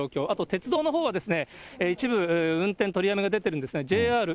あと鉄道のほうは、一部運転取りやめが出てるんですね。